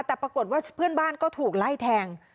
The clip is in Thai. แต่ปรากฏว่าเพื่อนบ้านก็ถูกไล่แทง